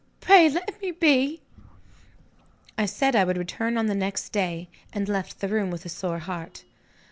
pray let me be!" I said I would return on the next day; and left the room with a sore heart.